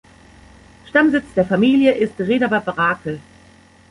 Stammsitz der Familie ist Rheder bei Brakel.